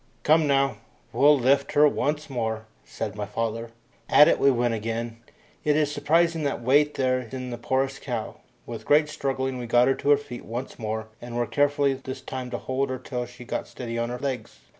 "Come now, we'll lift her once more," said my father. At it we went again; it is surprising what weight there is in the poorest cow. With great struggling we got her to her feet once more, and were careful this time to hold her till she got steady on her legs.